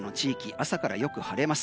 朝からよく晴れます。